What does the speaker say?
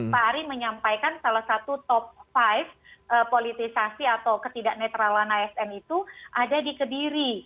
pak ari menyampaikan salah satu top lima politisasi atau ketidak netralan asn itu ada di kediri